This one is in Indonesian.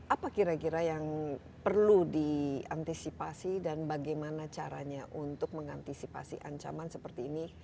apa kira kira yang perlu diantisipasi dan bagaimana caranya untuk mengantisipasi ancaman seperti ini